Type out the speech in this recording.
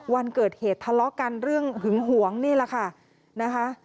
วันเกิดเหตุทะเลาะกันเรื่องหึงหวงนี่แหละค่ะนะคะ